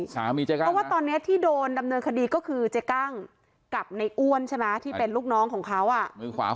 เพราะว่าตอนนี้ที่โดนดำเนินคดีก็คือเจ๊กั้งกับในอ้วนใช่ไหมที่เป็นลูกน้องของเขา